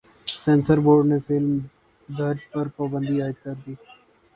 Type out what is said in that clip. censor board نے film درج پر پابندی عائد کر دی